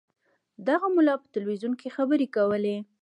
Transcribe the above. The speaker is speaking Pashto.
دغه ملا په تلویزیون کې خبرې کولې.